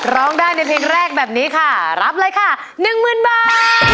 ร้องได้ในเพลงแรกแบบนี้ค่ะรับเลยค่ะ๑๐๐๐บาท